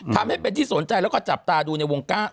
ทำให้เป็นที่สนใจแล้วก็จับตาดูในวงการ